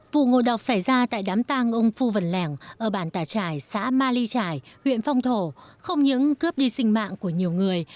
vụ ngộ độc xảy ra tại đám tang ông phu vân lẻng ở bản tà trải xã ma ly trải huyện phong thổ không những cướp đi sinh mạng của nhiều người